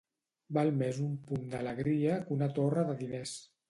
Val més un punt d'alegria que una torre de diners.